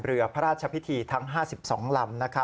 เรือพระราชพิธีทั้ง๕๒ลำ